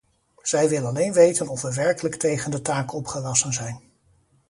Zij wil alleen weten of we werkelijk tegen de taak opgewassen zijn.